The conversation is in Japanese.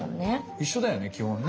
一緒だよね基本ね。